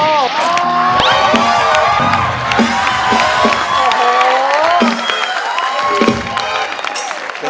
โอ้โห